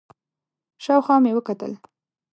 شاوخوا مې وکتل،